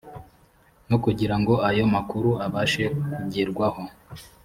no kugirango ayo makuru abashe kugerwaho